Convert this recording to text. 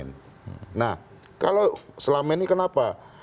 nah kalau selama ini kenapa